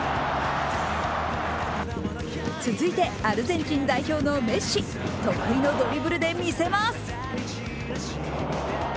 続いて、アルゼンチン代表のメッシ得意のドリブルで見せます。